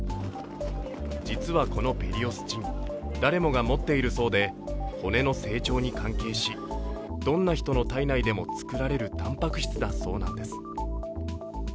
実はこのペリオスチン誰もが持っているそうで骨の成長に関係し、どんな人の体内でも作られるたんぱく質だそうなんです。